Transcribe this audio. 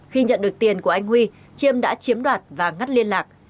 khi nhận được tiền của anh huy chiêm đã chiếm đoạt và ngắt liên lạc